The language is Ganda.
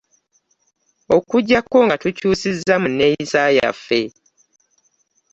Okuggyako nga tukyusizza mu nneeyisa yaffe